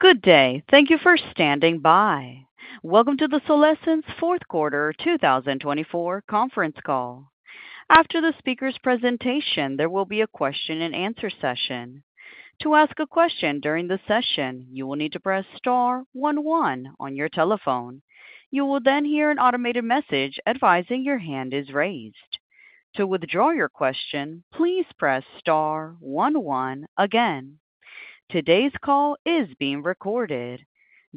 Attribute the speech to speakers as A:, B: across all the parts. A: Good day. Thank you for standing by. Welcome to the Solésence Fourth Quarter 2024 conference call. After the speaker's presentation, there will be a question-and-answer session. To ask a question during the session, you will need to press star one one on your telephone. You will then hear an automated message advising your hand is raised. To withdraw your question, please press star 11 again. Today's call is being recorded.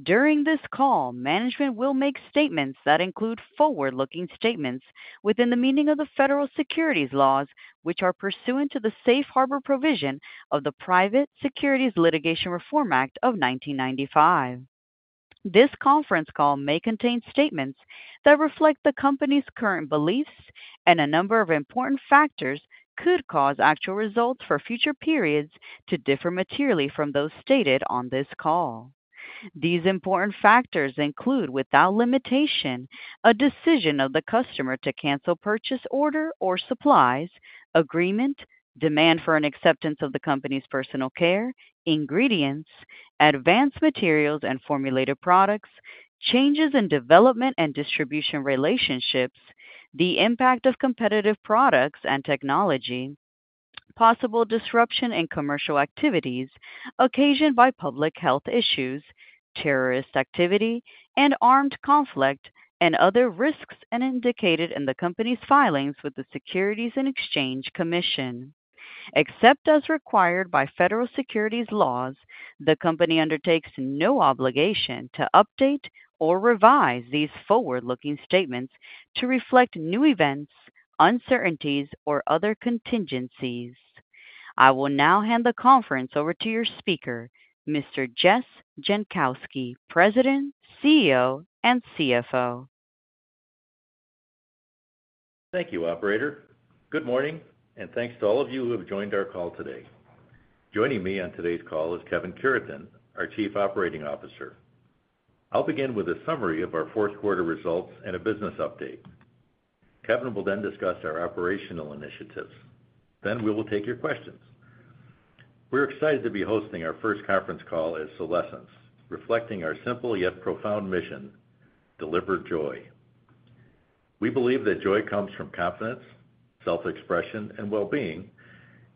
A: During this call, management will make statements that include forward-looking statements within the meaning of the federal securities laws, which are pursuant to the safe harbor provision of the Private Securities Litigation Reform Act of 1995. This conference call may contain statements that reflect the company's current beliefs, and a number of important factors could cause actual results for future periods to differ materially from those stated on this call. These important factors include, without limitation, a decision of the customer to cancel purchase order or supplies, agreement, demand for and acceptance of the company's personal care ingredients, advanced materials and formulated products, changes in development and distribution relationships, the impact of competitive products and technology, possible disruption in commercial activities occasioned by public health issues, terrorist activity, and armed conflict, and other risks indicated in the company's filings with the Securities and Exchange Commission. Except as required by federal securities laws, the company undertakes no obligation to update or revise these forward-looking statements to reflect new events, uncertainties, or other contingencies. I will now hand the conference over to your speaker, Mr. Jess Jankowski, President, CEO, and CFO.
B: Thank you, Operator. Good morning, and thanks to all of you who have joined our call today. Joining me on today's call is Kevin Cureton, our Chief Operating Officer. I'll begin with a summary of our fourth quarter results and a business update. Kevin will then discuss our operational initiatives. We will take your questions. We're excited to be hosting our first conference call at Solésence, reflecting our simple yet profound mission: deliver joy. We believe that joy comes from confidence, self-expression, and well-being,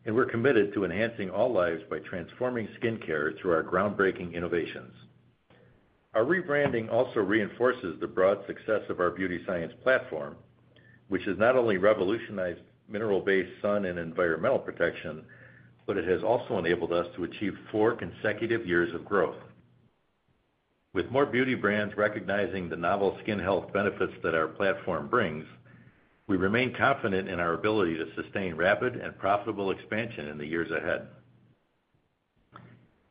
B: and we're committed to enhancing all lives by transforming skincare through our groundbreaking innovations. Our rebranding also reinforces the broad success of our beauty science platform, which has not only revolutionized mineral-based sun and environmental protection, but it has also enabled us to achieve four consecutive years of growth. With more beauty brands recognizing the novel skin health benefits that our platform brings, we remain confident in our ability to sustain rapid and profitable expansion in the years ahead.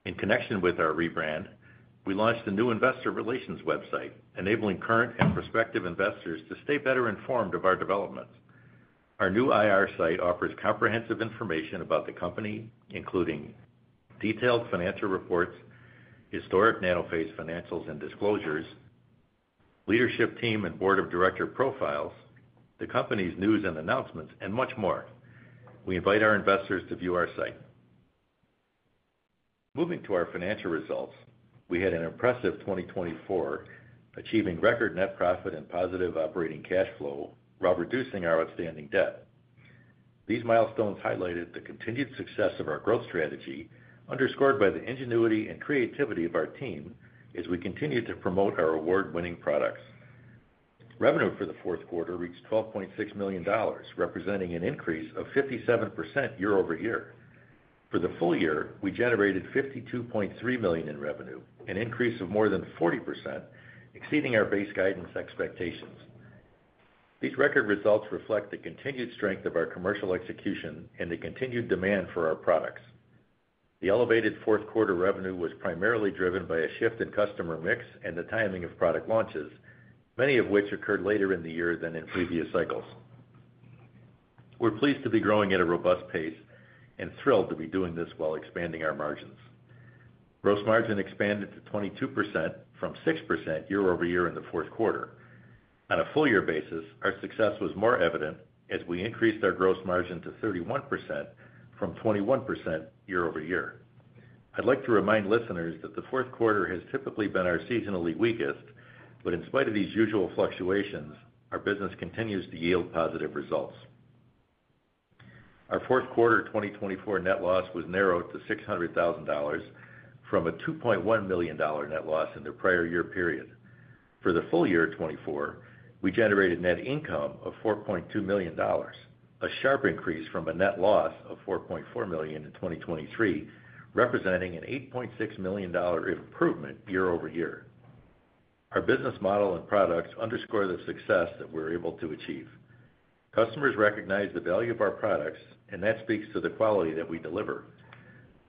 B: In connection with our rebrand, we launched a new investor relations website, enabling current and prospective investors to stay better informed of our developments. Our new IR site offers comprehensive information about the company, including detailed financial reports, historic Nanophase financials and disclosures, leadership team and board of director profiles, the company's news and announcements, and much more. We invite our investors to view our site. Moving to our financial results, we had an impressive 2024, achieving record net profit and positive operating cash flow while reducing our outstanding debt. These milestones highlighted the continued success of our growth strategy, underscored by the ingenuity and creativity of our team as we continue to promote our award-winning products. Revenue for the fourth quarter reached $12.6 million, representing an increase of 57% year over year. For the full year, we generated $52.3 million in revenue, an increase of more than 40%, exceeding our base guidance expectations. These record results reflect the continued strength of our commercial execution and the continued demand for our products. The elevated fourth quarter revenue was primarily driven by a shift in customer mix and the timing of product launches, many of which occurred later in the year than in previous cycles. We're pleased to be growing at a robust pace and thrilled to be doing this while expanding our margins. Gross margin expanded to 22% from 6% year over year in the fourth quarter. On a full year basis, our success was more evident as we increased our gross margin to 31% from 21% year over year. I'd like to remind listeners that the fourth quarter has typically been our seasonally weakest, but in spite of these usual fluctuations, our business continues to yield positive results. Our fourth quarter 2024 net loss was narrowed to $600,000 from a $2.1 million net loss in the prior year period. For the full year 2024, we generated net income of $4.2 million, a sharp increase from a net loss of $4.4 million in 2023, representing an $8.6 million improvement year over year. Our business model and products underscore the success that we're able to achieve. Customers recognize the value of our products, and that speaks to the quality that we deliver.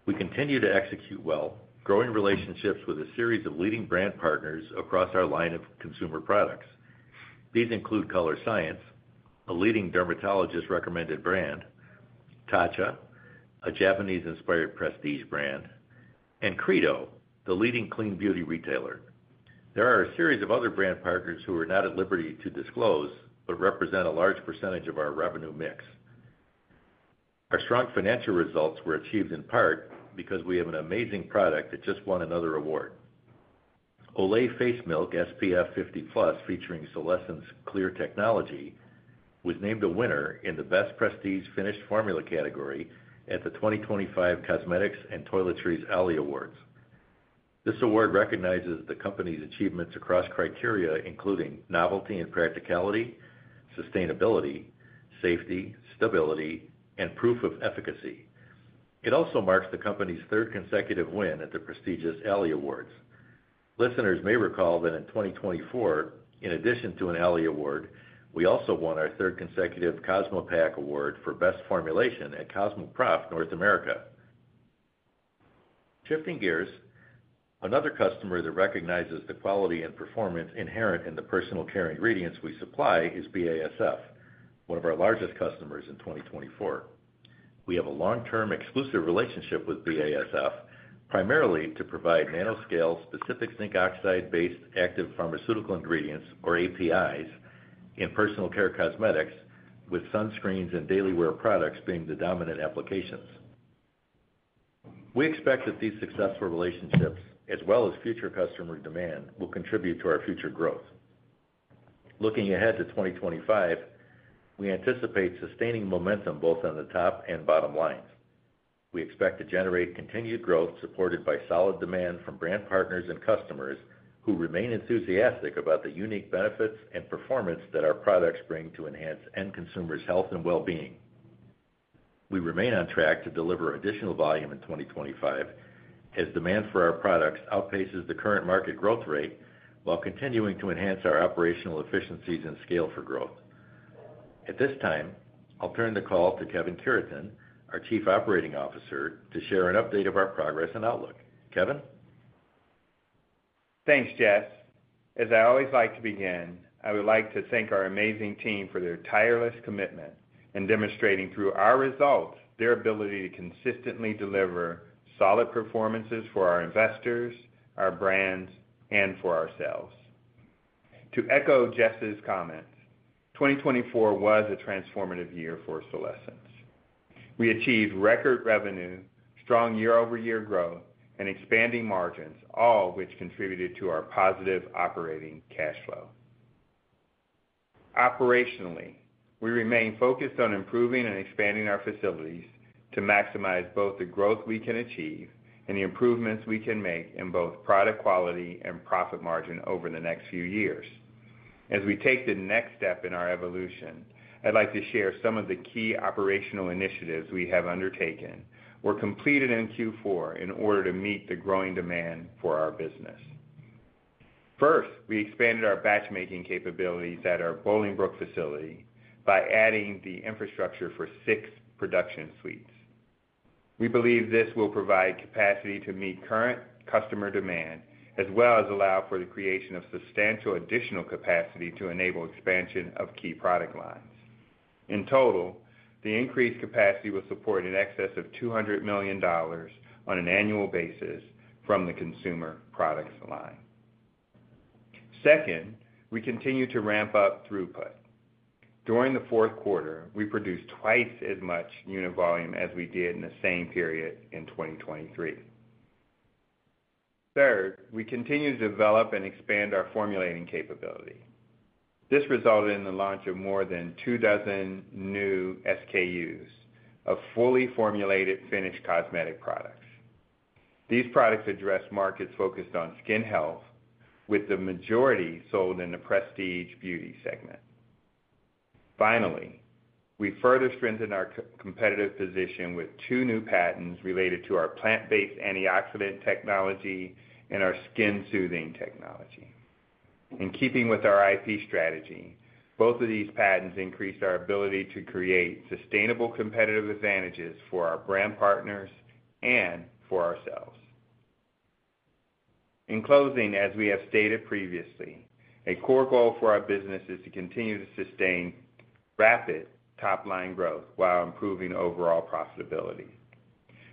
B: We continue to execute well, growing relationships with a series of leading brand partners across our line of consumer products. These include Color Science, a leading dermatologist-recommended brand, Tatcha, a Japanese-inspired prestige brand, and Credo, the leading clean beauty retailer. There are a series of other brand partners who are not at liberty to disclose but represent a large percentage of our revenue mix. Our strong financial results were achieved in part because we have an amazing product that just won another award. Olay Face Milk SPF 50+, featuring Solésence Clear Technology, was named a winner in the Best Prestige Finished Formula category at the 2025 Cosmetics and Toiletries Alley Awards. This award recognizes the company's achievements across criteria, including novelty and practicality, sustainability, safety, stability, and proof of efficacy. It also marks the company's third consecutive win at the prestigious Alley Awards. Listeners may recall that in 2024, in addition to an Alley Award, we also won our third consecutive Cosmo Pack Award for Best Formulation at CosmoProf North America. Shifting gears, another customer that recognizes the quality and performance inherent in the personal care ingredients we supply is BASF, one of our largest customers in 2024. We have a long-term exclusive relationship with BASF, primarily to provide nanoscale specific zinc oxide-based active pharmaceutical ingredients, or APIs, in personal care cosmetics, with sunscreens and daily wear products being the dominant applications. We expect that these successful relationships, as well as future customer demand, will contribute to our future growth. Looking ahead to 2025, we anticipate sustaining momentum both on the top and bottom lines. We expect to generate continued growth supported by solid demand from brand partners and customers who remain enthusiastic about the unique benefits and performance that our products bring to enhance end consumers' health and well-being. We remain on track to deliver additional volume in 2025 as demand for our products outpaces the current market growth rate while continuing to enhance our operational efficiencies and scale for growth. At this time, I'll turn the call to Kevin Cureton, our Chief Operating Officer, to share an update of our progress and outlook. Kevin?
C: Thanks, Jess. As I always like to begin, I would like to thank our amazing team for their tireless commitment in demonstrating through our results their ability to consistently deliver solid performances for our investors, our brands, and for ourselves. To echo Jess's comments, 2024 was a transformative year for Solésence. We achieved record revenue, strong year-over-year growth, and expanding margins, all of which contributed to our positive operating cash flow. Operationally, we remain focused on improving and expanding our facilities to maximize both the growth we can achieve and the improvements we can make in both product quality and profit margin over the next few years. As we take the next step in our evolution, I'd like to share some of the key operational initiatives we have undertaken or completed in Q4 in order to meet the growing demand for our business. First, we expanded our batch-making capabilities at our Bolingbrook facility by adding the infrastructure for six production suites. We believe this will provide capacity to meet current customer demand, as well as allow for the creation of substantial additional capacity to enable expansion of key product lines. In total, the increased capacity will support an excess of $200 million on an annual basis from the consumer products line. Second, we continue to ramp up throughput. During the fourth quarter, we produced twice as much unit volume as we did in the same period in 2023. Third, we continue to develop and expand our formulating capability. This resulted in the launch of more than two dozen new SKUs of fully formulated finished cosmetic products. These products address markets focused on skin health, with the majority sold in the prestige beauty segment. Finally, we further strengthened our competitive position with two new patents related to our plant-based antioxidant technology and our skin soothing technology. In keeping with our IP strategy, both of these patents increased our ability to create sustainable competitive advantages for our brand partners and for ourselves. In closing, as we have stated previously, a core goal for our business is to continue to sustain rapid top-line growth while improving overall profitability.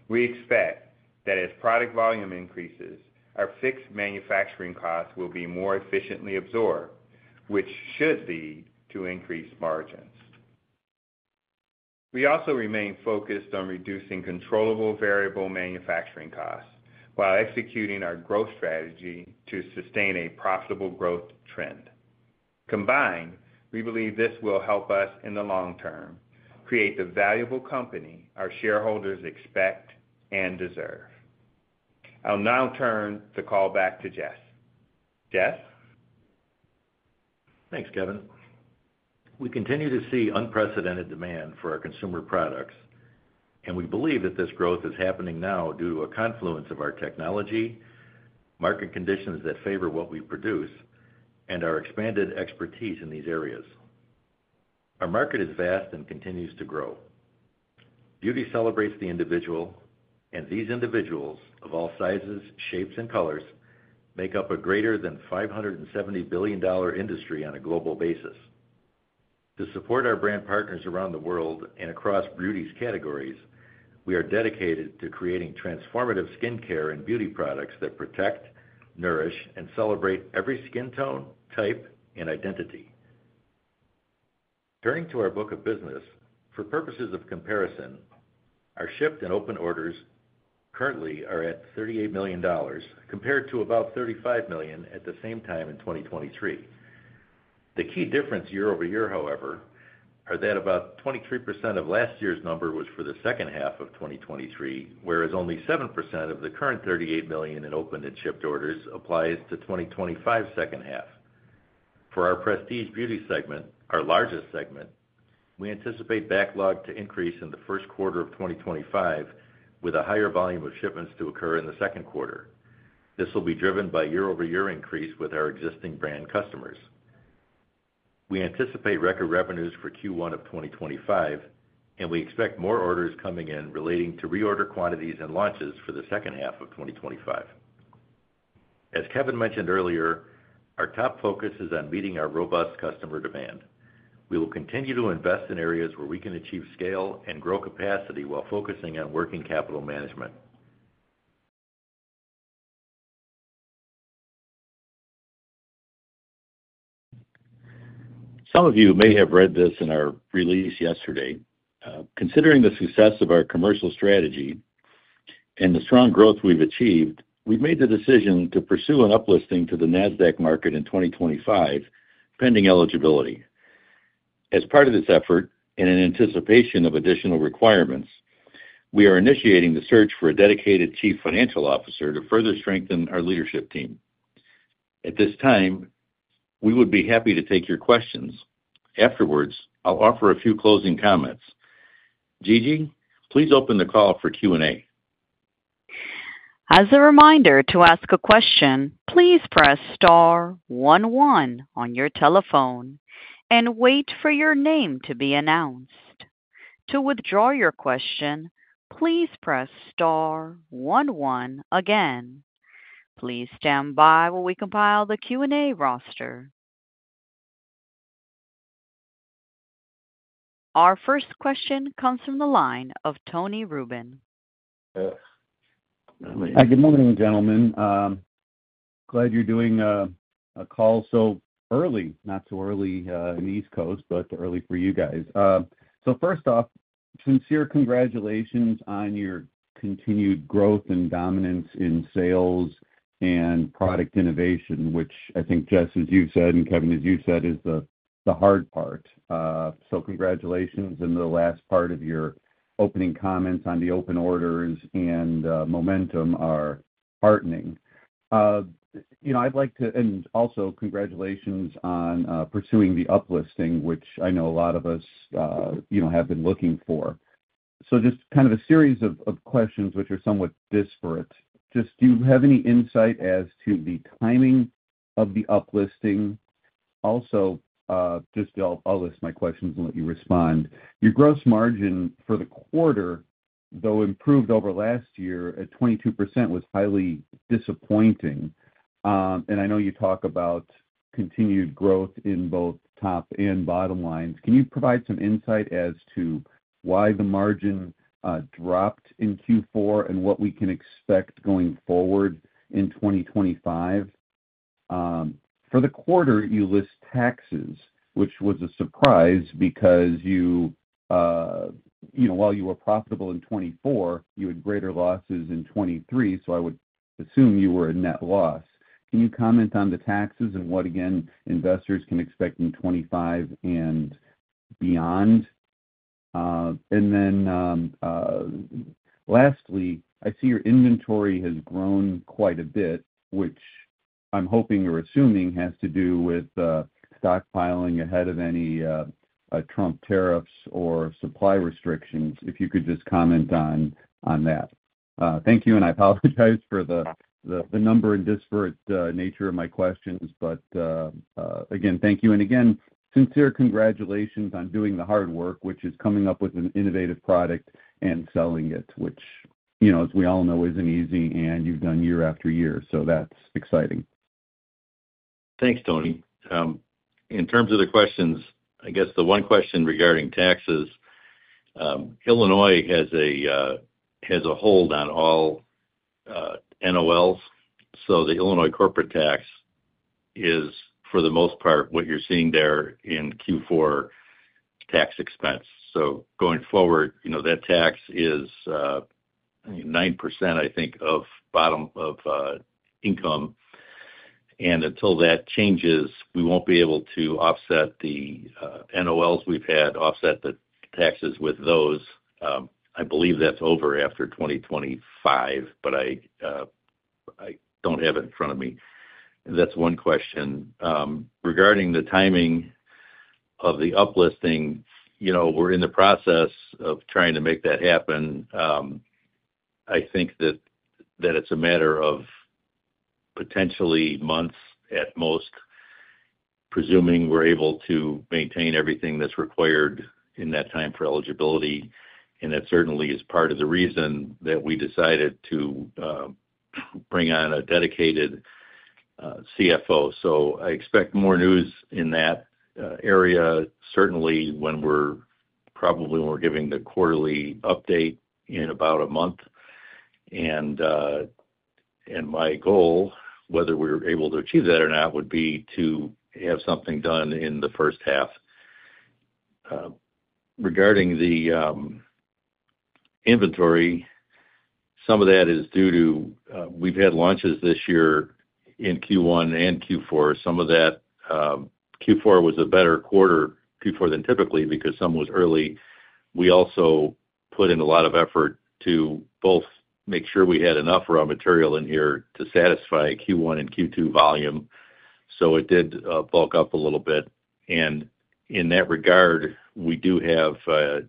C: We expect that as product volume increases, our fixed manufacturing costs will be more efficiently absorbed, which should lead to increased margins. We also remain focused on reducing controllable variable manufacturing costs while executing our growth strategy to sustain a profitable growth trend. Combined, we believe this will help us in the long term create the valuable company our shareholders expect and deserve. I'll now turn the call back to Jess. Jess?
B: Thanks, Kevin. We continue to see unprecedented demand for our consumer products, and we believe that this growth is happening now due to a confluence of our technology, market conditions that favor what we produce, and our expanded expertise in these areas. Our market is vast and continues to grow. Beauty celebrates the individual, and these individuals, of all sizes, shapes, and colors, make up a greater than $570 billion industry on a global basis. To support our brand partners around the world and across beauty's categories, we are dedicated to creating transformative skincare and beauty products that protect, nourish, and celebrate every skin tone, type, and identity. Turning to our book of business, for purposes of comparison, our shipped and open orders currently are at $38 million, compared to about $35 million at the same time in 2023. The key difference year over year, however, is that about 23% of last year's number was for the second half of 2023, whereas only 7% of the current $38 million in open and shipped orders applies to 2025's second half. For our prestige beauty segment, our largest segment, we anticipate backlog to increase in the first quarter of 2025, with a higher volume of shipments to occur in the second quarter. This will be driven by year-over-year increase with our existing brand customers. We anticipate record revenues for Q1 of 2025, and we expect more orders coming in relating to reorder quantities and launches for the second half of 2025. As Kevin mentioned earlier, our top focus is on meeting our robust customer demand. We will continue to invest in areas where we can achieve scale and grow capacity while focusing on working capital management. Some of you may have read this in our release yesterday. Considering the success of our commercial strategy and the strong growth we've achieved, we've made the decision to pursue an uplisting to the Nasdaq market in 2025, pending eligibility. As part of this effort, in anticipation of additional requirements, we are initiating the search for a dedicated Chief Financial Officer to further strengthen our leadership team. At this time, we would be happy to take your questions. Afterwards, I'll offer a few closing comments. Gigi, please open the call for Q&A.
A: As a reminder to ask a question, please press star 11 on your telephone and wait for your name to be announced. To withdraw your question, please press star one one again. Please stand by while we compile the Q&A roster. Our first question comes from the line of Tony Rubin.
D: Good morning, gentlemen. Glad you're doing a call so early, not so early in the East Coast, but early for you guys. First off, sincere congratulations on your continued growth and dominance in sales and product innovation, which I think, Jess, as you said, and Kevin, as you said, is the hard part. Congratulations, and the last part of your opening comments on the open orders and momentum are heartening. I'd like to, and also, congratulations on pursuing the uplisting, which I know a lot of us have been looking for. Just kind of a series of questions, which are somewhat disparate. Do you have any insight as to the timing of the uplisting? Also, I'll list my questions and let you respond. Your gross margin for the quarter, though improved over last year at 22%, was highly disappointing. I know you talk about continued growth in both top and bottom lines. Can you provide some insight as to why the margin dropped in Q4 and what we can expect going forward in 2025? For the quarter, you list taxes, which was a surprise because while you were profitable in 2024, you had greater losses in 2023, so I would assume you were at net loss. Can you comment on the taxes and what, again, investors can expect in 2025 and beyond? Lastly, I see your inventory has grown quite a bit, which I'm hoping or assuming has to do with stockpiling ahead of any Trump tariffs or supply restrictions. If you could just comment on that. Thank you, and I apologize for the number and disparate nature of my questions. Thank you. Again, sincere congratulations on doing the hard work, which is coming up with an innovative product and selling it, which, as we all know, is not easy, and you have done year after year. That is exciting.
B: Thanks, Tony. In terms of the questions, I guess the one question regarding taxes, Illinois has a hold on all NOLs. The Illinois corporate tax is, for the most part, what you're seeing there in Q4 tax expense. Going forward, that tax is 9%, I think, of bottom of income. Until that changes, we won't be able to offset the NOLs we've had, offset the taxes with those. I believe that's over after 2025, but I don't have it in front of me. That's one question. Regarding the timing of the uplisting, we're in the process of trying to make that happen. I think that it's a matter of potentially months at most, presuming we're able to maintain everything that's required in that time for eligibility. That certainly is part of the reason that we decided to bring on a dedicated CFO. I expect more news in that area, certainly probably when we're giving the quarterly update in about a month. My goal, whether we're able to achieve that or not, would be to have something done in the first half. Regarding the inventory, some of that is due to we've had launches this year in Q1 and Q4. Some of that Q4 was a better quarter Q4 than typically because some was early. We also put in a lot of effort to both make sure we had enough raw material in here to satisfy Q1 and Q2 volume. It did bulk up a little bit. In that regard, we do have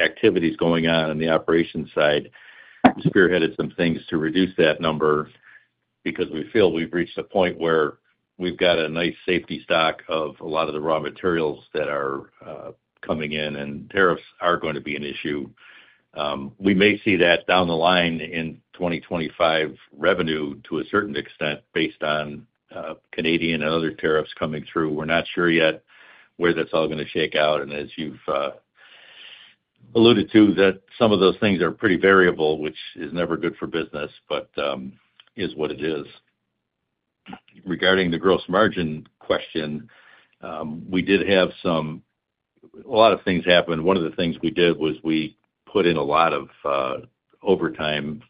B: activities going on on the operations side. We've spearheaded some things to reduce that number because we feel we've reached a point where we've got a nice safety stock of a lot of the raw materials that are coming in, and tariffs are going to be an issue. We may see that down the line in 2025 revenue to a certain extent based on Canadian and other tariffs coming through. We're not sure yet where that's all going to shake out. As you've alluded to, some of those things are pretty variable, which is never good for business, but is what it is. Regarding the gross margin question, we did have a lot of things happen. One of the things we did was we put in a lot of overtime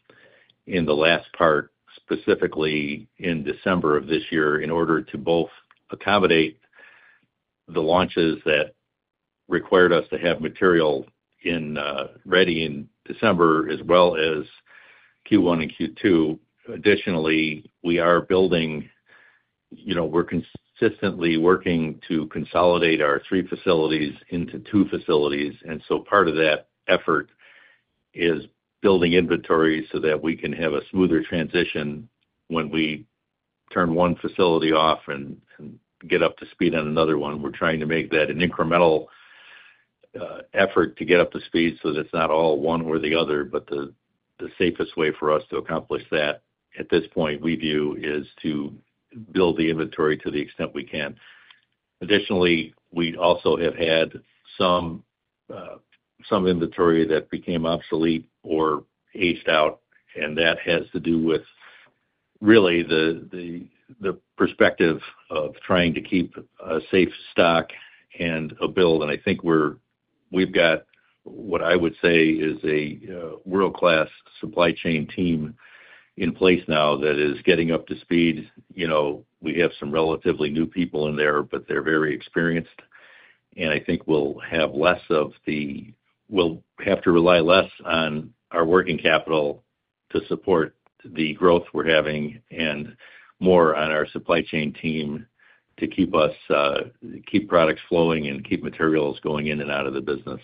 B: in the last part, specifically in December of this year, in order to both accommodate the launches that required us to have material ready in December, as well as Q1 and Q2. Additionally, we are building, we're consistently working to consolidate our three facilities into two facilities. Part of that effort is building inventory so that we can have a smoother transition when we turn one facility off and get up to speed on another one. We're trying to make that an incremental effort to get up to speed so that it's not all one or the other, but the safest way for us to accomplish that at this point, we view, is to build the inventory to the extent we can. Additionally, we also have had some inventory that became obsolete or aged out, and that has to do with really the perspective of trying to keep a safe stock and a build. I think we've got what I would say is a world-class supply chain team in place now that is getting up to speed. We have some relatively new people in there, but they're very experienced. I think we'll have less of the—we'll have to rely less on our working capital to support the growth we're having and more on our supply chain team to keep products flowing and keep materials going in and out of the business.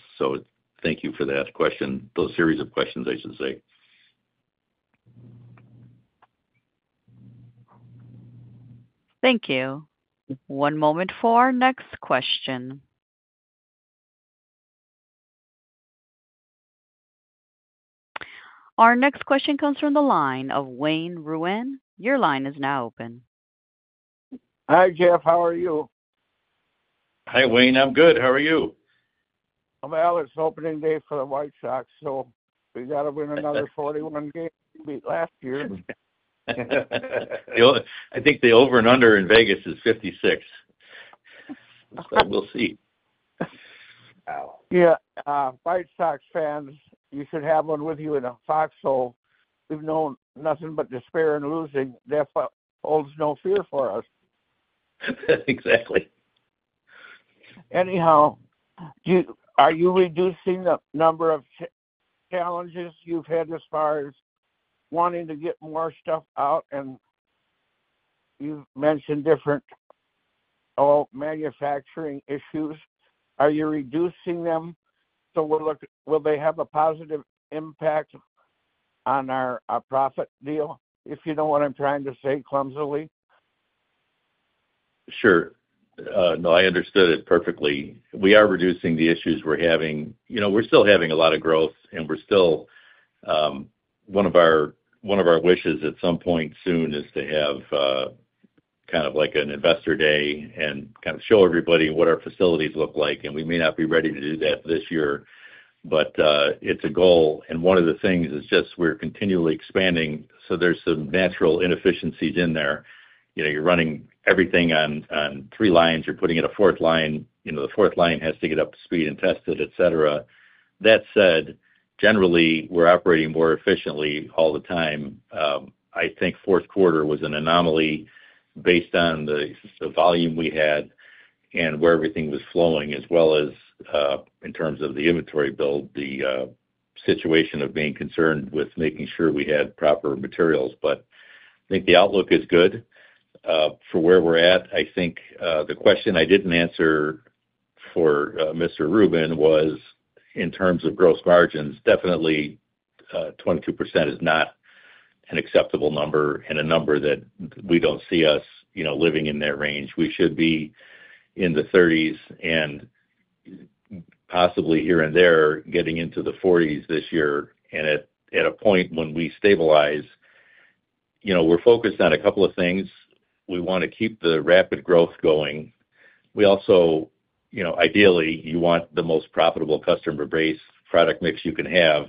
B: Thank you for that question, those series of questions, I should say.
A: Thank you. One moment for our next question. Our next question comes from the line of Wayne Ruin. Your line is now open.
E: Hi, Jess. How are you?
B: Hi, Wayne. I'm good. How are you?
E: I'm Alex. Opening day for the White Sox. We got to win another 41 games to beat last year.
B: I think the over and under in Vegas is 56. We'll see.
D: Yeah. White Sox fans, you should have one with you in a foxhole. We've known nothing but despair and losing. That holds no fear for us.
B: Exactly.
E: Anyhow, are you reducing the number of challenges you've had as far as wanting to get more stuff out? You mentioned different manufacturing issues. Are you reducing them so will they have a positive impact on our profit deal, if you know what I'm trying to say clumsily?
B: Sure. No, I understood it perfectly. We are reducing the issues we're having. We're still having a lot of growth, and one of our wishes at some point soon is to have kind of like an investor day and kind of show everybody what our facilities look like. We may not be ready to do that this year, but it's a goal. One of the things is just we're continually expanding, so there's some natural inefficiencies in there. You're running everything on three lines. You're putting in a fourth line. The fourth line has to get up to speed and tested, etc. That said, generally, we're operating more efficiently all the time. I think fourth quarter was an anomaly based on the volume we had and where everything was flowing, as well as in terms of the inventory build, the situation of being concerned with making sure we had proper materials. I think the outlook is good for where we're at. I think the question I didn't answer for Mr. Rubin was in terms of gross margins, definitely 22% is not an acceptable number and a number that we don't see us living in that range. We should be in the 30s and possibly here and there getting into the 40s this year. At a point when we stabilize, we're focused on a couple of things. We want to keep the rapid growth going. Ideally, you want the most profitable customer base product mix you can have.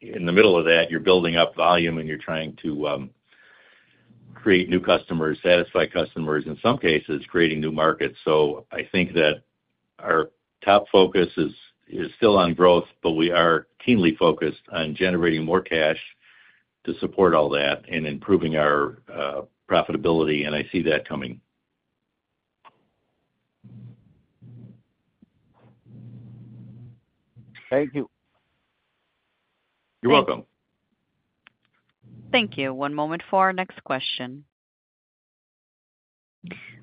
B: In the middle of that, you're building up volume and you're trying to create new customers, satisfy customers, in some cases, creating new markets. I think that our top focus is still on growth, but we are keenly focused on generating more cash to support all that and improving our profitability. I see that coming.
E: Thank you.
B: You're welcome.
A: Thank you. One moment for our next question.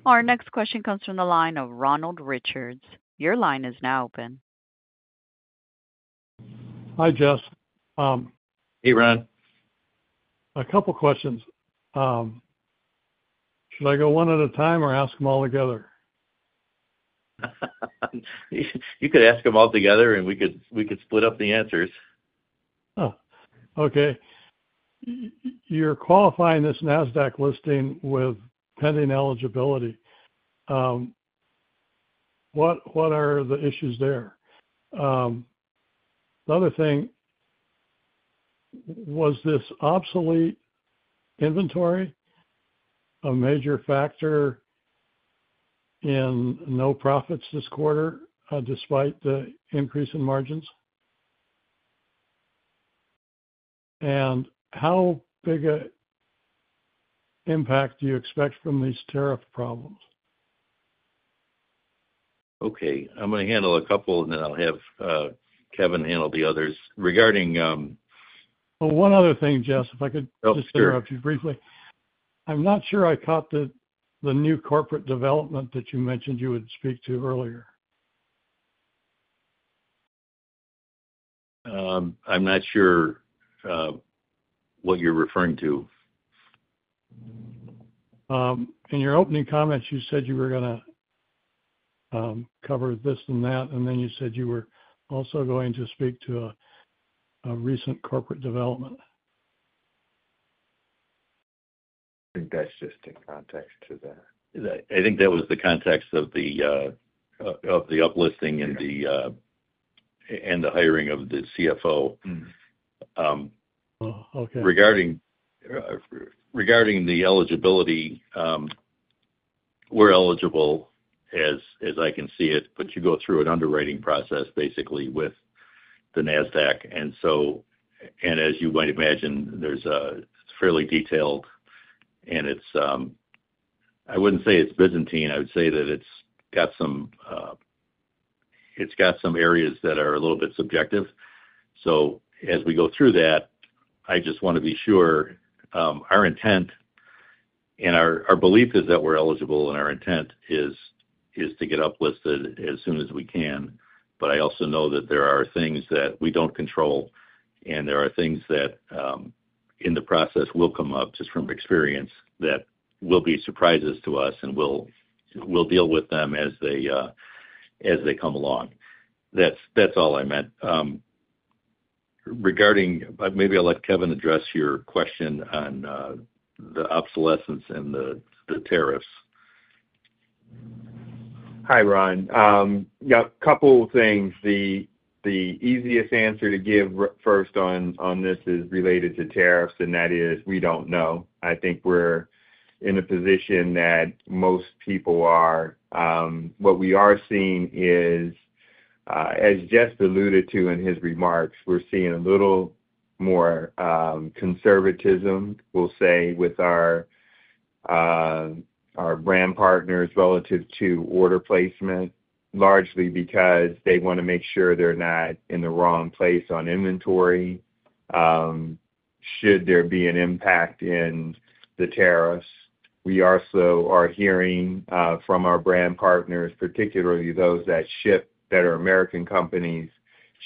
A: Our next question comes from the line of Ronald Richards. Your line is now open.
F: Hi, Jeff.
D: Hey, Ron.
F: A couple of questions. Should I go one at a time or ask them all together?
B: You could ask them all together, and we could split up the answers.
F: Okay. You're qualifying this Nasdaq listing with pending eligibility. What are the issues there? The other thing, was this obsolete inventory a major factor in no profits this quarter despite the increase in margins? How big an impact do you expect from these tariff problems?
B: Okay. I'm going to handle a couple, and then I'll have Kevin handle the others. Regarding.
F: One other thing, Jess, if I could just interrupt you briefly. I'm not sure I caught the new corporate development that you mentioned you would speak to earlier.
B: I'm not sure what you're referring to.
F: In your opening comments, you said you were going to cover this and that, and then you said you were also going to speak to a recent corporate development.
B: I think that's just in context to that. I think that was the context of the uplisting and the hiring of the CFO. Regarding the eligibility, we're eligible as I can see it, but you go through an underwriting process basically with the Nasdaq. As you might imagine, there's a fairly detailed—I wouldn't say it's Byzantine. I would say that it's got some areas that are a little bit subjective. As we go through that, I just want to be sure our intent and our belief is that we're eligible, and our intent is to get uplisted as soon as we can. I also know that there are things that we don't control, and there are things that in the process will come up just from experience that will be surprises to us, and we'll deal with them as they come along. That's all I meant. Maybe I'll let Kevin address your question on the obsolescence and the tariffs.
C: Hi, Ron. Yeah, a couple of things. The easiest answer to give first on this is related to tariffs, and that is we don't know. I think we're in a position that most people are. What we are seeing is, as Jess alluded to in his remarks, we're seeing a little more conservatism, we'll say, with our brand partners relative to order placement, largely because they want to make sure they're not in the wrong place on inventory. Should there be an impact in the tariffs, we also are hearing from our brand partners, particularly those that are American companies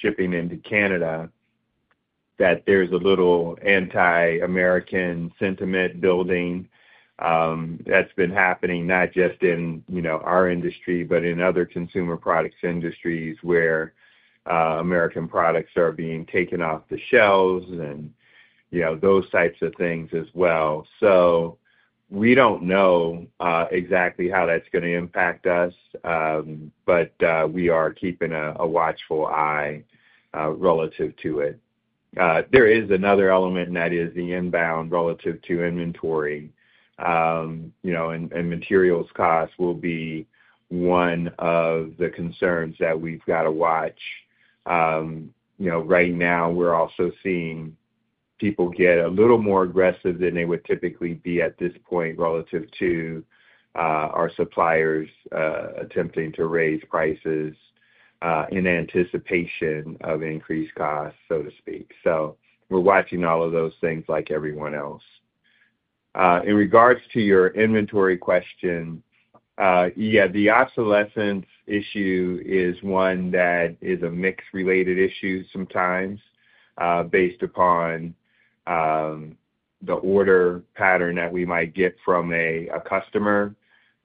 C: shipping into Canada, that there's a little anti-American sentiment building that's been happening not just in our industry, but in other consumer products industries where American products are being taken off the shelves and those types of things as well. We do not know exactly how that is going to impact us, but we are keeping a watchful eye relative to it. There is another element, and that is the inbound relative to inventory. Materials costs will be one of the concerns that we have to watch. Right now, we are also seeing people get a little more aggressive than they would typically be at this point relative to our suppliers attempting to raise prices in anticipation of increased costs, so to speak. We are watching all of those things like everyone else. In regards to your inventory question, the obsolescence issue is one that is a mixed-related issue sometimes based upon the order pattern that we might get from a customer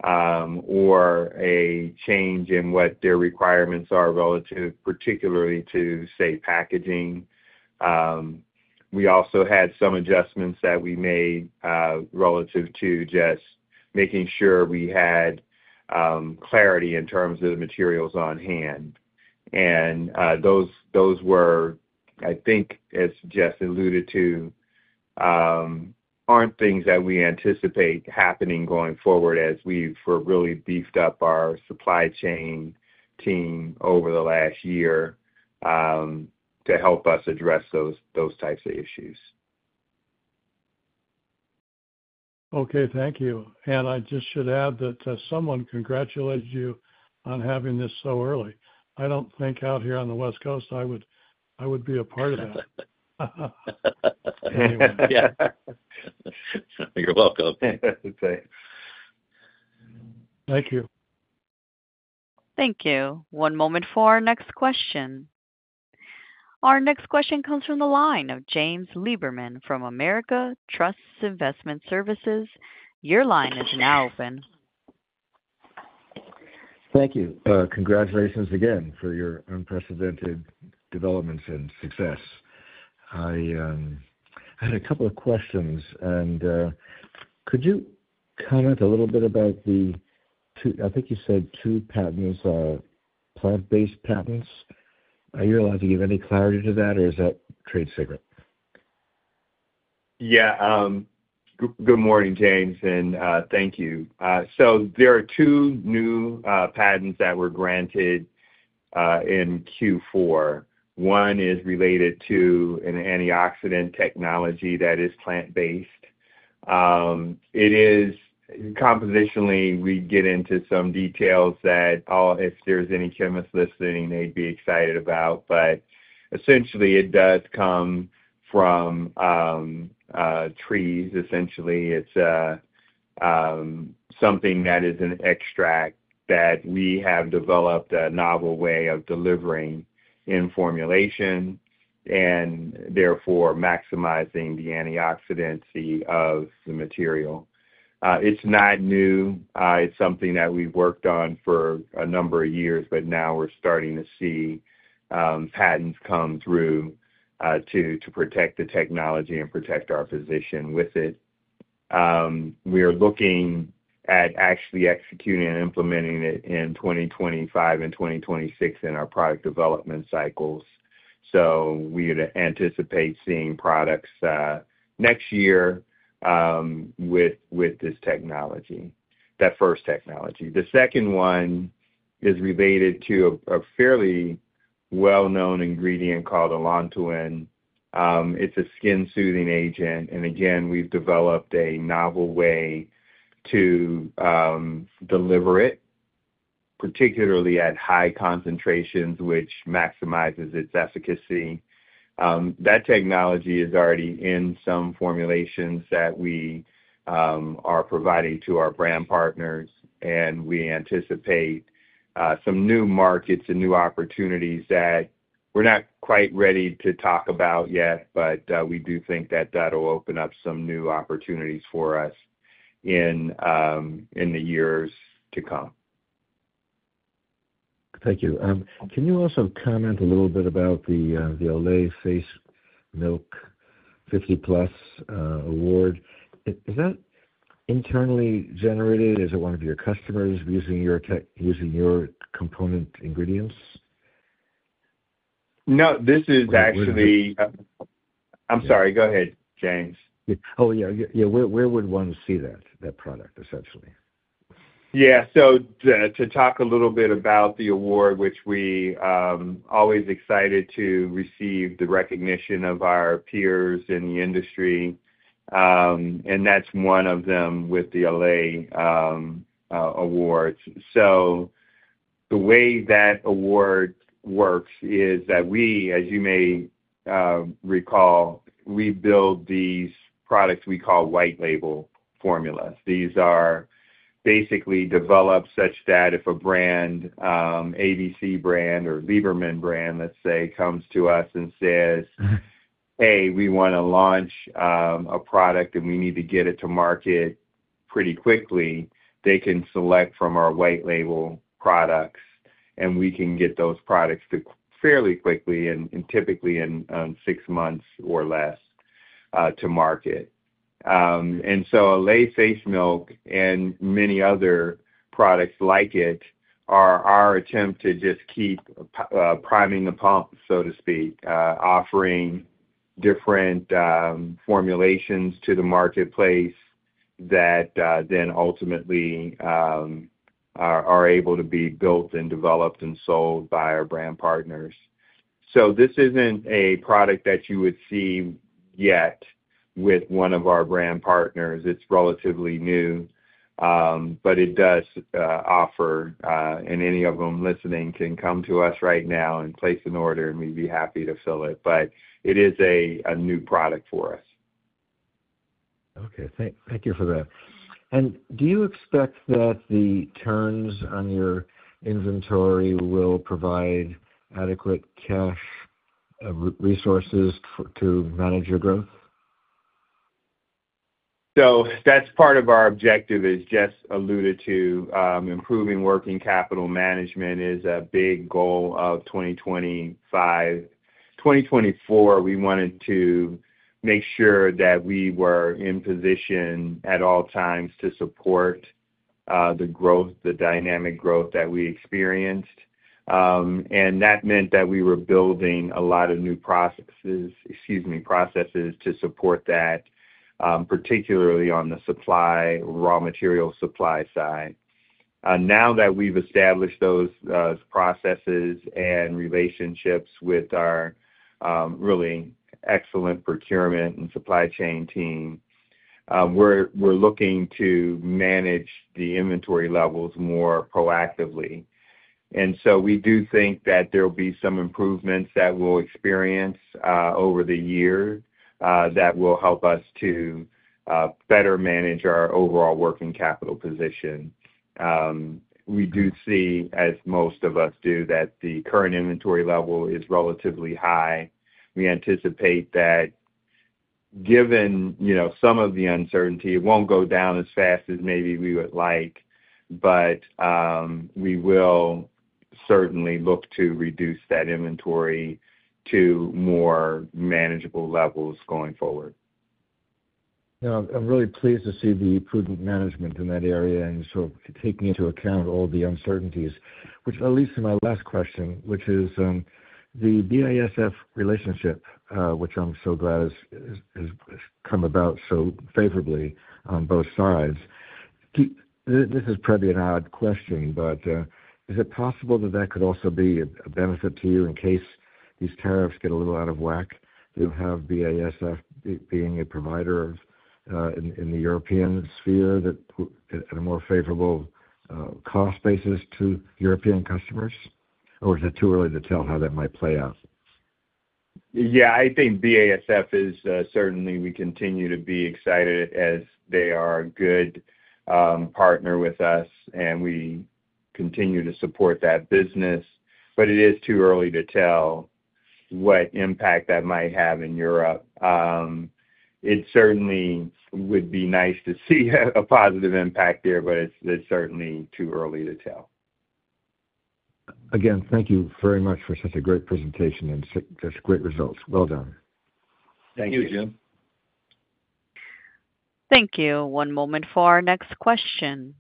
C: or a change in what their requirements are relative, particularly to, say, packaging. We also had some adjustments that we made relative to just making sure we had clarity in terms of the materials on hand. Those were, I think, as Jess alluded to, not things that we anticipate happening going forward as we've really beefed up our supply chain team over the last year to help us address those types of issues.
F: Okay. Thank you. I just should add that someone congratulated you on having this so early. I do not think out here on the West Coast I would be a part of that.
C: You're welcome.
F: Thank you.
A: Thank you. One moment for our next question. Our next question comes from the line of James Lieberman from America Trust Investment Services. Your line is now open.
G: Thank you. Congratulations again for your unprecedented developments and success. I had a couple of questions. Could you comment a little bit about the—I think you said two patents, plant-based patents. Are you allowed to give any clarity to that, or is that trade secret?
B: Yeah. Good morning, James, and thank you. There are two new patents that were granted in Q4. One is related to an antioxidant technology that is plant-based. Compositionally, we get into some details that, if there's any chemists listening, they'd be excited about. Essentially, it does come from trees. Essentially, it's something that is an extract that we have developed a novel way of delivering in formulation and therefore maximizing the antioxidants of the material. It's not new. It's something that we've worked on for a number of years, but now we're starting to see patents come through to protect the technology and protect our position with it. We are looking at actually executing and implementing it in 2025 and 2026 in our product development cycles. We anticipate seeing products next year with this technology, that first technology. The second one is related to a fairly well-known ingredient called allantoin. It's a skin-soothing agent. Again, we've developed a novel way to deliver it, particularly at high concentrations, which maximizes its efficacy. That technology is already in some formulations that we are providing to our brand partners. We anticipate some new markets and new opportunities that we're not quite ready to talk about yet, but we do think that that will open up some new opportunities for us in the years to come.
G: Thank you. Can you also comment a little bit about the Olay Face Milk SPF 50+ Award? Is that internally generated? Is it one of your customers using your component ingredients?
B: No, this is actually—I'm sorry. Go ahead, James.
G: Oh, yeah. Yeah. Where would one see that product, essentially?
B: Yeah. To talk a little bit about the award, which we are always excited to receive, the recognition of our peers in the industry. That is one of them with the Olay Awards. The way that award works is that we, as you may recall, we build these products we call white-label formulas. These are basically developed such that if a brand, ABC brand or Lieberman brand, let's say, comes to us and says, "Hey, we want to launch a product, and we need to get it to market pretty quickly," they can select from our white-label products, and we can get those products fairly quickly and typically in six months or less to market. Olay Face Milk and many other products like it are our attempt to just keep priming the pump, so to speak, offering different formulations to the marketplace that then ultimately are able to be built and developed and sold by our brand partners. This is not a product that you would see yet with one of our brand partners. It is relatively new, but it does offer, and any of them listening can come to us right now and place an order, and we would be happy to fill it. It is a new product for us.
G: Okay. Thank you for that. Do you expect that the turns on your inventory will provide adequate cash resources to manage your growth?
B: That's part of our objective, as Jess alluded to. Improving working capital management is a big goal of 2024. We wanted to make sure that we were in position at all times to support the dynamic growth that we experienced. That meant that we were building a lot of new processes to support that, particularly on the raw material supply side. Now that we've established those processes and relationships with our really excellent procurement and supply chain team, we're looking to manage the inventory levels more proactively. We do think that there will be some improvements that we'll experience over the year that will help us to better manage our overall working capital position. We do see, as most of us do, that the current inventory level is relatively high. We anticipate that, given some of the uncertainty, it won't go down as fast as maybe we would like, but we will certainly look to reduce that inventory to more manageable levels going forward.
G: Yeah. I'm really pleased to see the prudent management in that area and sort of taking into account all the uncertainties, which leads to my last question, which is the BASF relationship, which I'm so glad has come about so favorably on both sides. This is probably an odd question, but is it possible that that could also be a benefit to you in case these tariffs get a little out of whack, you have BASF being a provider in the European sphere at a more favorable cost basis to European customers? Or is it too early to tell how that might play out?
B: Yeah. I think BASF is certainly—we continue to be excited as they are a good partner with us, and we continue to support that business. It is too early to tell what impact that might have in Europe. It certainly would be nice to see a positive impact there, but it's certainly too early to tell.
G: Again, thank you very much for such a great presentation and such great results. Well done.
B: Thank you, Jim.
A: Thank you. One moment for our next question.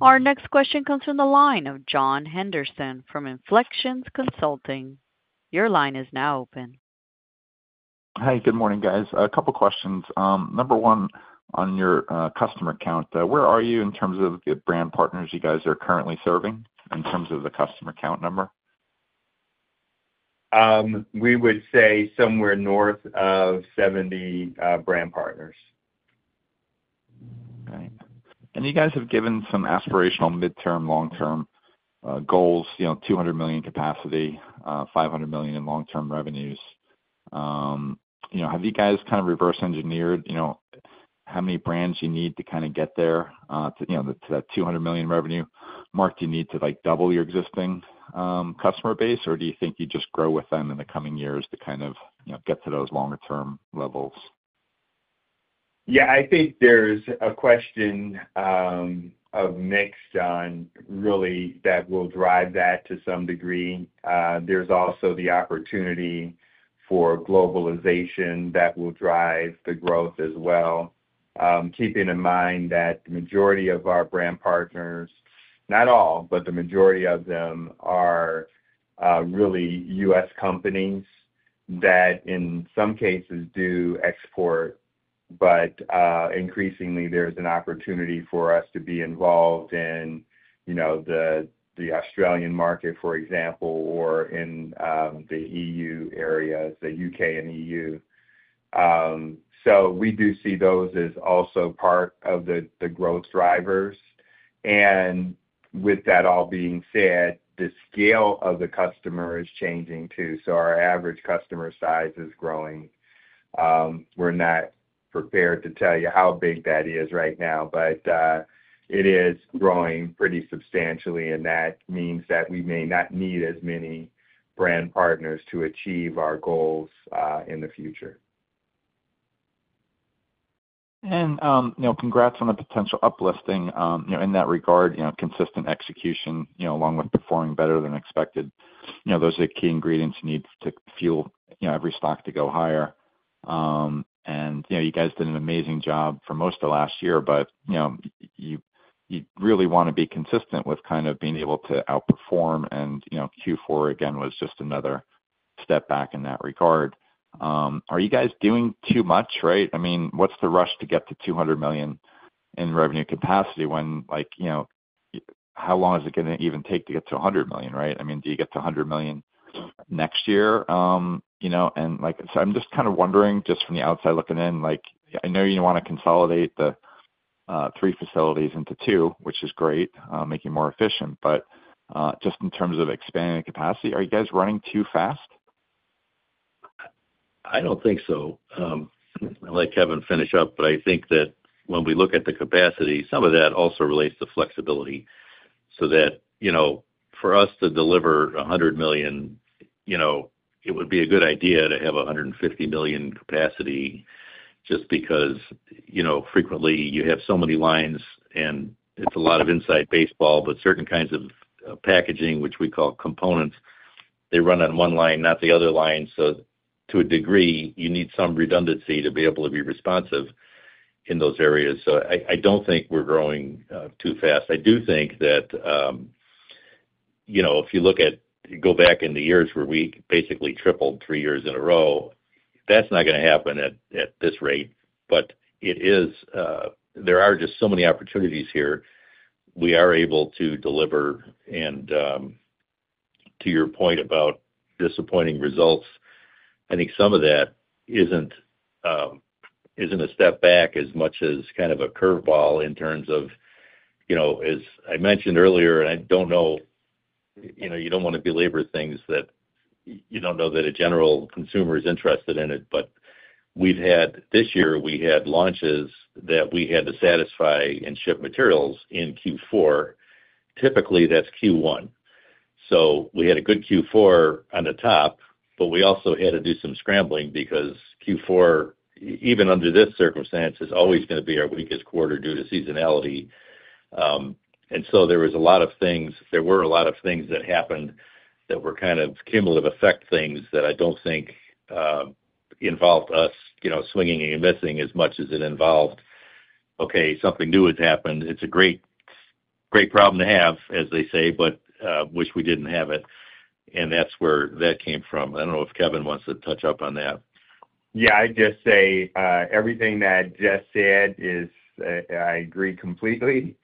A: Our next question comes from the line of John Henderson from Inflections Consulting. Your line is now open.
H: Hi. Good morning, guys. A couple of questions. Number one on your customer count. Where are you in terms of the brand partners you guys are currently serving in terms of the customer count number?
B: We would say somewhere north of 70 brand partners.
H: Okay. You guys have given some aspirational midterm, long-term goals: $200 million capacity, $500 million in long-term revenues. Have you guys kind of reverse-engineered how many brands you need to kind of get there to that $200 million revenue? Mark, do you need to double your existing customer base, or do you think you just grow with them in the coming years to kind of get to those longer-term levels?
B: Yeah. I think there's a question of mix on really that will drive that to some degree. There's also the opportunity for globalization that will drive the growth as well, keeping in mind that the majority of our brand partners—not all, but the majority of them—are really US companies that, in some cases, do export. Increasingly, there's an opportunity for us to be involved in the Australian market, for example, or in the U.K. and EU. We do see those as also part of the growth drivers. With that all being said, the scale of the customer is changing too. Our average customer size is growing. We're not prepared to tell you how big that is right now, but it is growing pretty substantially. That means that we may not need as many brand partners to achieve our goals in the future.
H: Congrats on the potential uplisting in that regard, consistent execution along with performing better than expected. Those are the key ingredients you need to fuel every stock to go higher. You guys did an amazing job for most of the last year, but you really want to be consistent with kind of being able to outperform. Q4, again, was just another step back in that regard. Are you guys doing too much, right? I mean, what's the rush to get to $200 million in revenue capacity when how long is it going to even take to get to $100 million, right? I mean, do you get to $100 million next year? I'm just kind of wondering, just from the outside looking in, I know you want to consolidate the three facilities into two, which is great, making it more efficient. Just in terms of expanding capacity, are you guys running too fast?
B: I don't think so. I'll let Kevin finish up, but I think that when we look at the capacity, some of that also relates to flexibility. For us to deliver $100 million, it would be a good idea to have $150 million capacity just because frequently you have so many lines, and it's a lot of inside baseball. Certain kinds of packaging, which we call components, run on one line, not the other line. To a degree, you need some redundancy to be able to be responsive in those areas. I don't think we're growing too fast. I do think that if you look at go back in the years where we basically tripled three years in a row, that's not going to happen at this rate. There are just so many opportunities here. We are able to deliver. To your point about disappointing results, I think some of that isn't a step back as much as kind of a curveball in terms of, as I mentioned earlier, and I don't know, you don't want to belabor things that you don't know that a general consumer is interested in it. This year, we had launches that we had to satisfy and ship materials in Q4. Typically, that's Q1. We had a good Q4 on the top, but we also had to do some scrambling because Q4, even under this circumstance, is always going to be our weakest quarter due to seasonality. There were a lot of things that happened that were kind of cumulative effect things that I do not think involved us swinging and missing as much as it involved, "Okay, something new has happened." It is a great problem to have, as they say, but wish we did not have it. That is where that came from. I do not know if Kevin wants to touch up on that.
H: Yeah. I would just say everything that Jess said, I agree completely.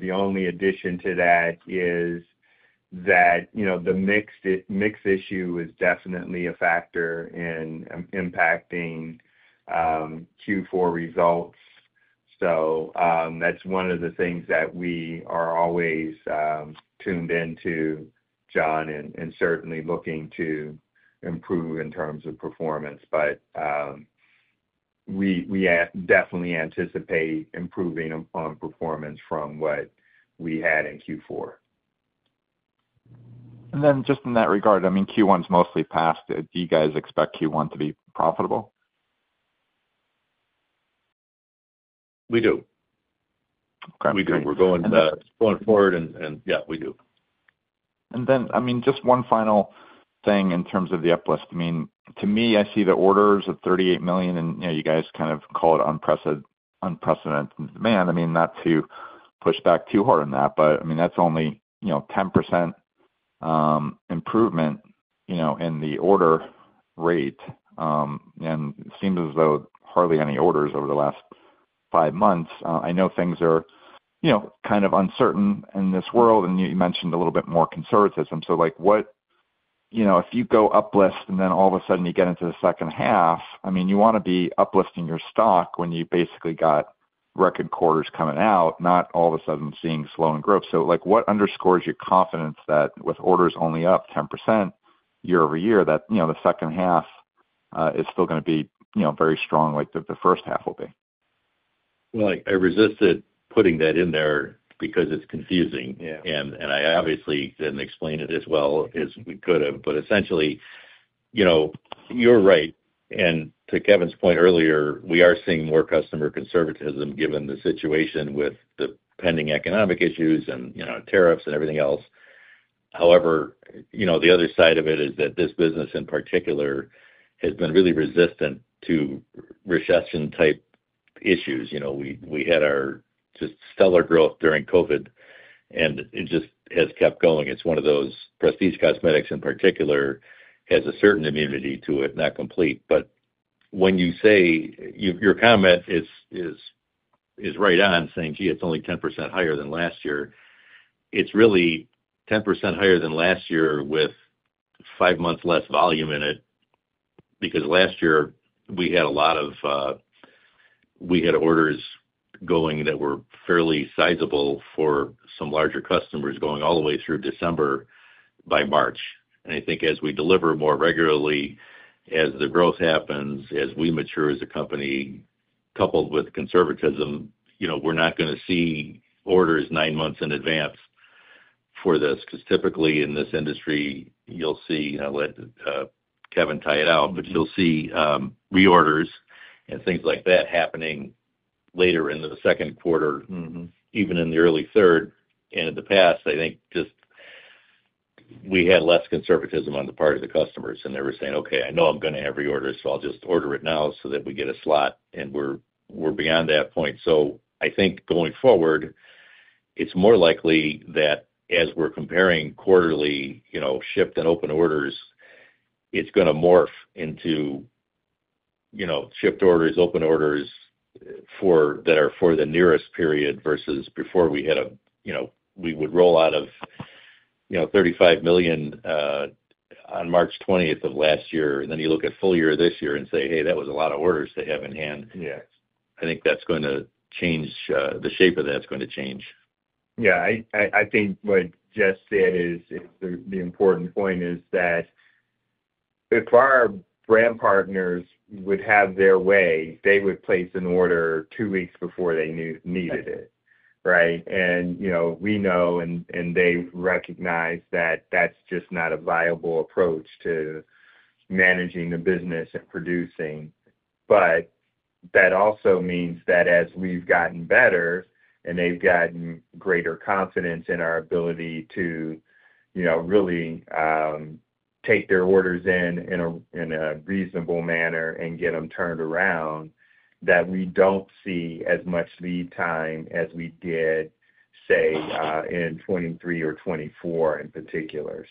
H: The only addition to that is that the mix issue is definitely a factor in impacting Q4 results. That is one of the things that we are always tuned into, John, and certainly looking to improve in terms of performance. We definitely anticipate improving on performance from what we had in Q4. I mean, Q1 is mostly past. Do you guys expect Q1 to be profitable?
B: We do.
H: Okay. Thank you.
B: We do. We're going forward, and yeah, we do.
H: I mean, just one final thing in terms of the uplift. I mean, to me, I see the orders of $38 million, and you guys kind of call it unprecedented demand. I mean, not to push back too hard on that, but I mean, that's only 10% improvement in the order rate. It seems as though hardly any orders over the last five months. I know things are kind of uncertain in this world, and you mentioned a little bit more conservatism. If you go uplift and then all of a sudden you get into the second half, I mean, you want to be uplifting your stock when you basically got record quarters coming out, not all of a sudden seeing slowing growth. What underscores your confidence that with orders only up 10% year over year, that the second half is still going to be very strong like the first half will be?
B: I resisted putting that in there because it's confusing. I obviously didn't explain it as well as we could have. Essentially, you're right. To Kevin's point earlier, we are seeing more customer conservatism given the situation with the pending economic issues and tariffs and everything else. However, the other side of it is that this business in particular has been really resistant to recession-type issues. We had our just stellar growth during COVID, and it just has kept going. It's one of those Prestige Cosmetics in particular has a certain immunity to it, not complete. When you say your comment is right on saying, "Gee, it's only 10% higher than last year," it's really 10% higher than last year with five months less volume in it because last year we had orders going that were fairly sizable for some larger customers going all the way through December by March. I think as we deliver more regularly, as the growth happens, as we mature as a company coupled with conservatism, we're not going to see orders nine months in advance for this because typically in this industry, you'll see—I will let Kevin tie it out—but you'll see reorders and things like that happening later in the second quarter, even in the early third. In the past, I think just we had less conservatism on the part of the customers, and they were saying, "Okay, I know I'm going to have reorders, so I'll just order it now so that we get a slot." We are beyond that point. I think going forward, it's more likely that as we're comparing quarterly shipped and open orders, it's going to morph into shipped orders, open orders that are for the nearest period versus before we had a—we would roll out of $35 million on March 20 of last year. Then you look at full year this year and say, "Hey, that was a lot of orders they have in hand." I think that's going to change. The shape of that's going to change. Yeah.
H: I think what Jess said is the important point is that if our brand partners would have their way, they would place an order two weeks before they needed it, right? We know and they recognize that that's just not a viable approach to managing the business and producing. That also means that as we've gotten better and they've gotten greater confidence in our ability to really take their orders in a reasonable manner and get them turned around, we don't see as much lead time as we did, say, in 2023 or 2024 in particular.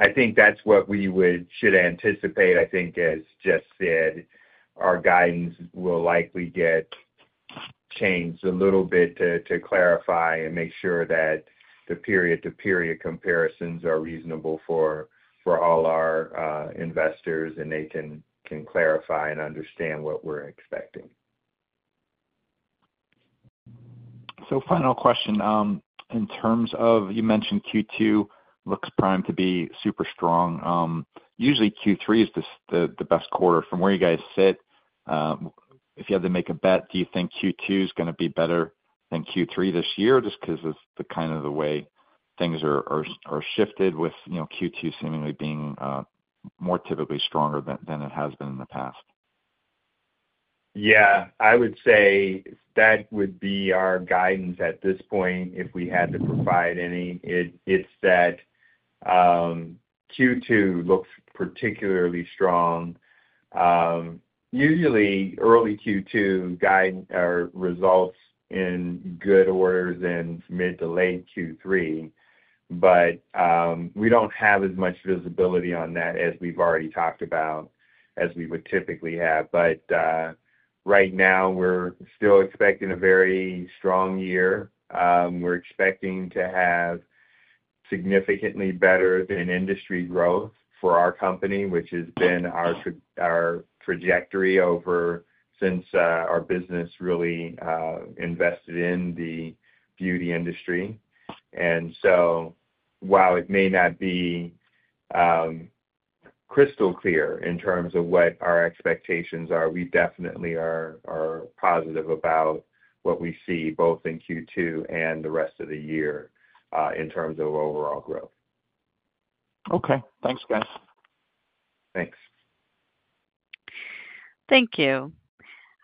H: I think that's what we should anticipate. I think, as Jess said, our guidance will likely get changed a little bit to clarify and make sure that the period-to-period comparisons are reasonable for all our investors, and they can clarify and understand what we're expecting. Final question. In terms of you mentioned Q2 looks primed to be super strong. Usually, Q3 is the best quarter from where you guys sit. If you had to make a bet, do you think Q2 is going to be better than Q3 this year just because of the kind of the way things are shifted with Q2 seemingly being more typically stronger than it has been in the past?
C: Yeah. I would say that would be our guidance at this point if we had to provide any. It's that Q2 looks particularly strong. Usually, early Q2 results in good orders in mid to late Q3, but we don't have as much visibility on that as we've already talked about as we would typically have. Right now, we're still expecting a very strong year. We're expecting to have significantly better than industry growth for our company, which has been our trajectory since our business really invested in the beauty industry. While it may not be crystal clear in terms of what our expectations are, we definitely are positive about what we see both in Q2 and the rest of the year in terms of overall growth.
H: Okay. Thanks, guys.
B: Thanks.
A: Thank you.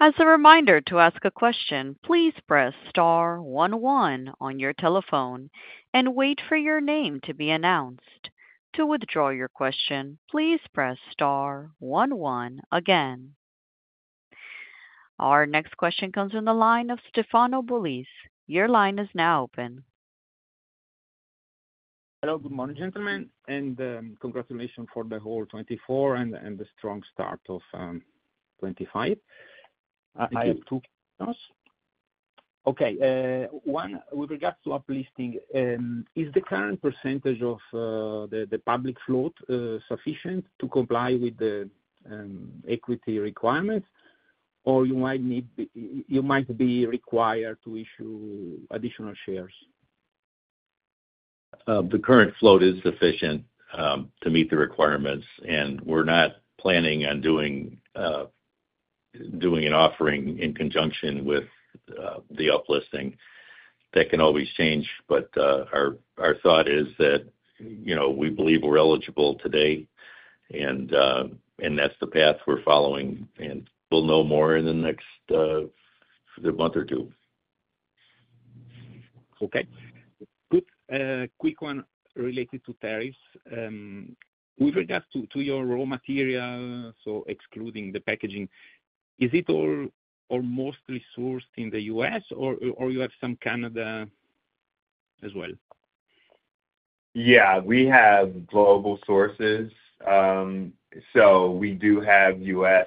A: As a reminder to ask a question, please press star one one on your telephone and wait for your name to be announced. To withdraw your question, please press star 11 again. Our next question comes from the line of Stefano Belize. Your line is now open.
I: Hello. Good morning, gentlemen. Congratulations for the whole 2024 and the strong start of 2025. I have two questions. Okay. One, with regards to uplifting, is the current percentage of the public float sufficient to comply with the equity requirements, or you might be required to issue additional shares?
B: The current float is sufficient to meet the requirements, and we're not planning on doing an offering in conjunction with the uplifting. That can always change, but our thought is that we believe we're eligible today, and that's the path we're following. We'll know more in the next month or two.
I: Okay. Good. Quick one related to tariffs. With regards to your raw material, so excluding the packaging, is it all or mostly sourced in the U.S., or you have some Canada as well?
C: Yeah. We have global sources. We do have U.S.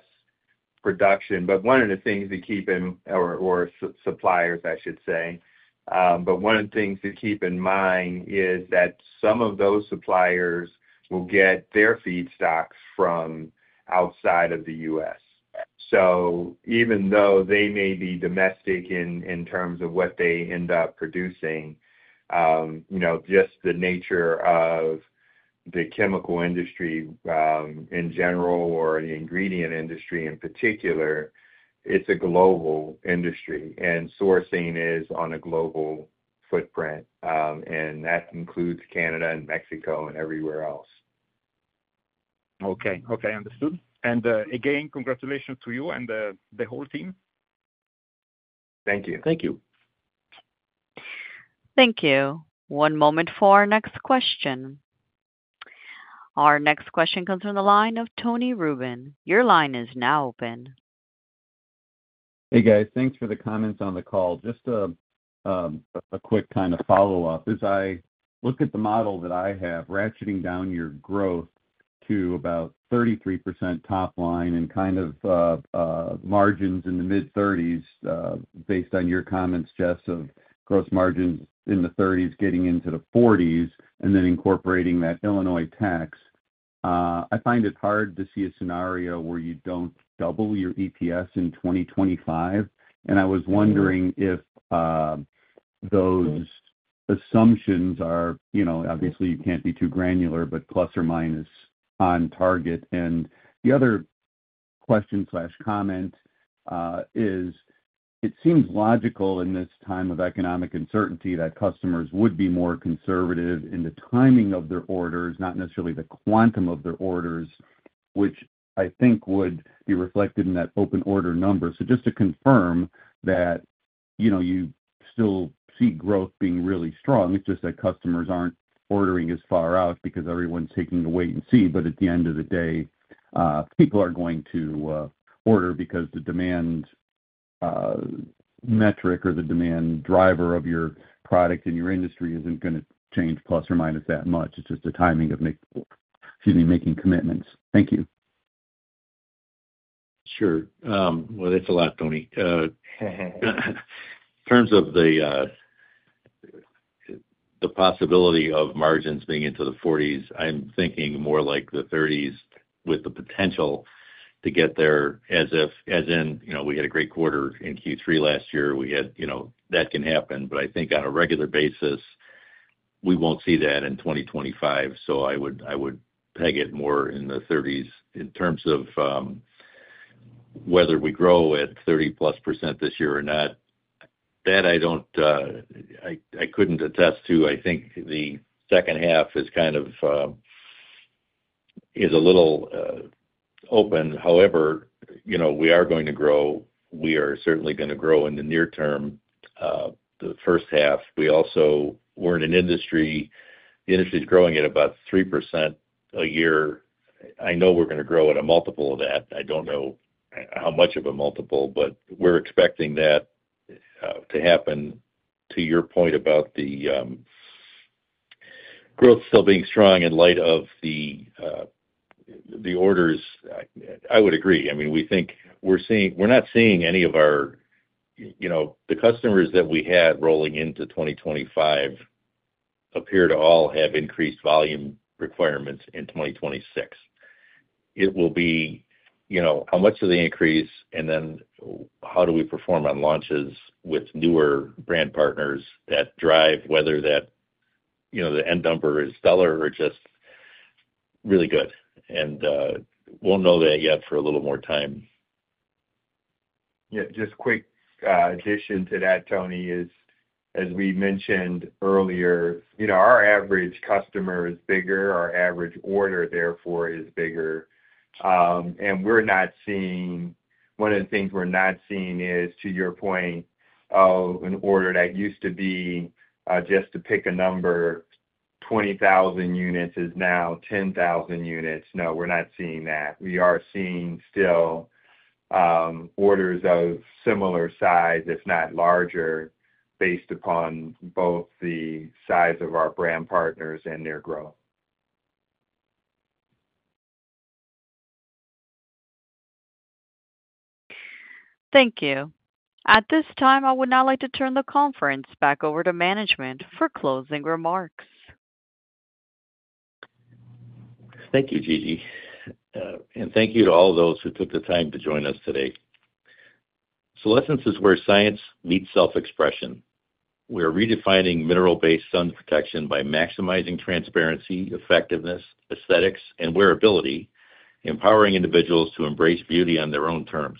C: production. One of the things to keep in—or suppliers, I should say—one of the things to keep in mind is that some of those suppliers will get their feedstocks from outside of the U.S. Even though they may be domestic in terms of what they end up producing, just the nature of the chemical industry in general or the ingredient industry in particular, it is a global industry, and sourcing is on a global footprint. That includes Canada and Mexico and everywhere else.
I: Okay. Okay. Understood. Again, congratulations to you and the whole team.
B: Thank you. Thank you.
A: Thank you. One moment for our next question. Our next question comes from the line of Tony Rubin. Your line is now open.
D: Hey, guys. Thanks for the comments on the call. Just a quick kind of follow-up. As I look at the model that I have, ratcheting down your growth to about 33% top line and kind of margins in the mid-30s based on your comments, Jess, of gross margins in the 30s getting into the 40s and then incorporating that Illinois tax, I find it hard to see a scenario where you do not double your EPS in 2025. I was wondering if those assumptions are—obviously, you cannot be too granular— but plus or minus on target. The other question/comment is, it seems logical in this time of economic uncertainty that customers would be more conservative in the timing of their orders, not necessarily the quantum of their orders, which I think would be reflected in that open order number. Just to confirm that you still see growth being really strong, it's just that customers aren't ordering as far out because everyone's taking a wait and see. At the end of the day, people are going to order because the demand metric or the demand driver of your product and your industry isn't going to change plus or minus that much. It's just the timing of making commitments. Thank you.
B: Sure. Thanks a lot, Tony. In terms of the possibility of margins being into the 40s, I'm thinking more like the 30s with the potential to get there as in we had a great quarter in Q3 last year. That can happen. I think on a regular basis, we won't see that in 2025. I would peg it more in the 30s. In terms of whether we grow at 30-plus % this year or not, that I couldn't attest to. I think the second half is kind of a little open. However, we are going to grow. We are certainly going to grow in the near term, the first half. We're in an industry—the industry is growing at about 3% a year. I know we're going to grow at a multiple of that. I don't know how much of a multiple, but we're expecting that to happen. To your point about the growth still being strong in light of the orders, I would agree. I mean, we think we're not seeing any of our—the customers that we had rolling into 2025 appear to all have increased volume requirements in 2026. It will be how much do they increase, and then how do we perform on launches with newer brand partners that drive whether the end number is stellar or just really good. And we'll know that yet for a little more time.
C: Yeah. Just quick addition to that, Tony, is as we mentioned earlier, our average customer is bigger. Our average order, therefore, is bigger. We're not seeing—one of the things we're not seeing is, to your point, an order that used to be just to pick a number, 20,000 units is now 10,000 units. No, we're not seeing that. We are seeing still orders of similar size, if not larger, based upon both the size of our brand partners and their growth.
A: Thank you. At this time, I would now like to turn the conference back over to management for closing remarks.
B: Thank you, Gigi. Thank you to all those who took the time to join us today. Solésence is where science meets self-expression. We are redefining mineral-based sun protection by maximizing transparency, effectiveness, aesthetics, and wearability, empowering individuals to embrace beauty on their own terms.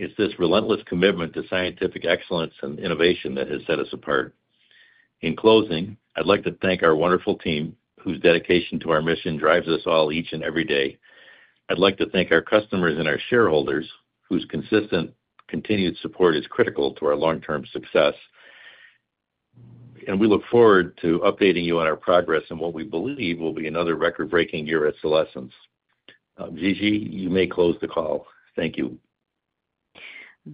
B: It is this relentless commitment to scientific excellence and innovation that has set us apart. In closing, I would like to thank our wonderful team whose dedication to our mission drives us all each and every day. I would like to thank our customers and our shareholders whose consistent, continued support is critical to our long-term success. We look forward to updating you on our progress and what we believe will be another record-breaking year at Solésence. Gigi, you may close the call. Thank you.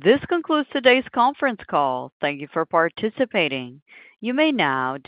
A: This concludes today's conference call. Thank you for participating. You may now.